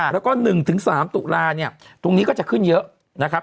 แล้วก็๑๓ตุลาคมตรงนี้ก็จะขึ้นเยอะ